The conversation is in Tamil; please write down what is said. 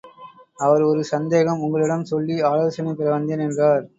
அவர், ஒரு சந்தேகம் உங்களிடம் சொல்லி ஆலோசனை பெற வந்தேன் என்றார்.